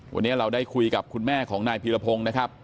วันนี้เราได้คุยกับคุณแม่ของนายพีรพงศ์นะครับ